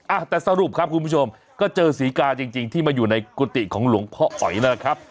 อ่ะแต่สรุปครับคุณผู้ชมก็เจอศรีกาจริงจริงที่มาอยู่ในกุฏิของหลวงพ่ออ๋อยนะครับ